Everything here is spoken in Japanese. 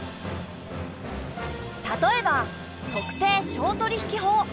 例えば「特定商取引法」。